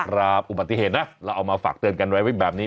ครับอุบัติเหตุนะเราเอามาฝากเตือนกันไว้แบบนี้